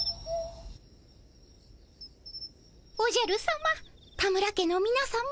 おじゃるさま田村家のみなさま